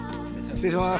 失礼します。